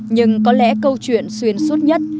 nhưng có lẽ câu chuyện xuyên suốt nhất